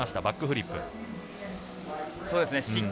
バックフリップ。